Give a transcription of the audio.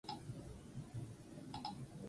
Batzuk hasi zarete dagoeneko mugitzen!